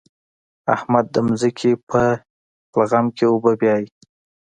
احمد د ځمکې په لغم کې اوبه بيايي.